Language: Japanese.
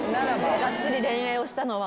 がっつり恋愛をしたのは？